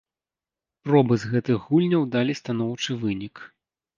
Пробы з гэтых гульняў далі станоўчы вынік.